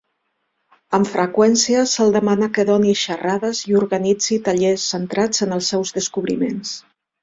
Amb freqüència se'l demana que doni xerrades i organitzi tallers centrats en els seus descobriments.